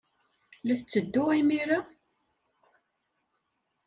La tetteddu imir-a?